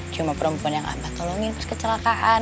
cuma perempuan yang abah tolongin terus kecelakaan